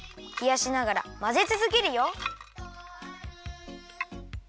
ひやしながらまぜつづけるよ。